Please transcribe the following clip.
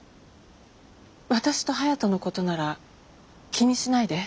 私と颯人のことなら気にしないで。